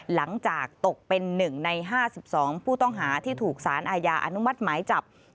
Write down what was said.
หลังจากตกเป็น๑ใน๕๒ผู้ต้องหาที่ถูกสารอาญาอนุมัติหมายจับ